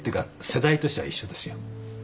世代としては一緒ですよ。